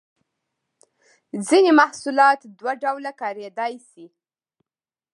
ځینې محصولات دوه ډوله کاریدای شي.